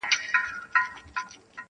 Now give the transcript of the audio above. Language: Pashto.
بله لمبه به په پانوس کي تر سهاره څارې -